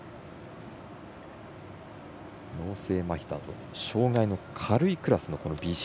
脳性まひなど障がいの軽いクラスのＢＣ